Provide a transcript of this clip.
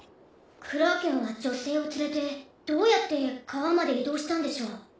クラーケンは女性を連れてどうやって川まで移動したんでしょう。